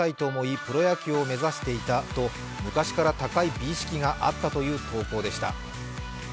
プロ野球を目指していたと昔から高い美意識があったという投稿でした。